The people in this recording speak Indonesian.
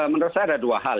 menurut saya ada dua hal